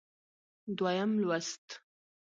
دویم لوست